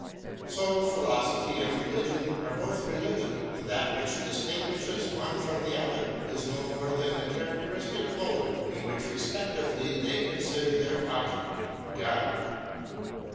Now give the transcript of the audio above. So philosophy and religion are both religion, and that which distinguishes one from the other is no more than the characteristic mode in which respectively they consider their object, God.